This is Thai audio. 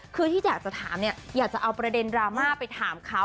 คือที่อยากจะถามเนี่ยอยากจะเอาประเด็นดราม่าไปถามเขา